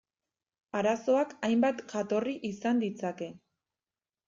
Arazoak hainbat jatorri izan ditzake.